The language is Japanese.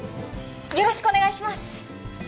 よろしくお願いします